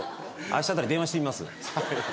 あしたあたり電話してみます。